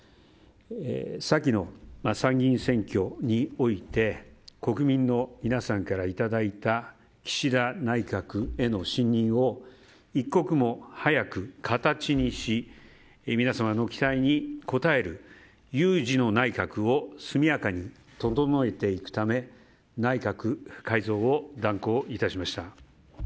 先の参議院選挙において国民の皆さんからいただいた岸田内閣への信認を一刻も早く形にし皆様の期待に応える有事の内閣を速やかに整えていくため内閣改造を断行いたしました。